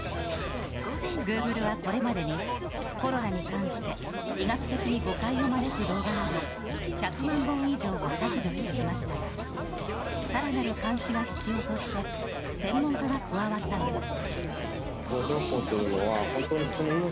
グーグルはこれまでに、コロナに関して医学的に誤解を招く動画など、１００万本以上を削除してきましたが、さらなる監視が必要として、専門家が加わったのです。